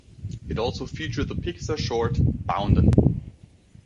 It also featured the Pixar short "Boundin'".